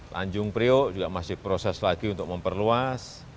tanjung priok juga masih proses lagi untuk memperluas